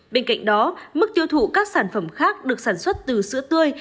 bên cạnh đó mức tiêu thụ các sản phẩm khác được sản xuất từ sữa tươi